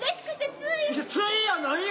「つい」やないよ。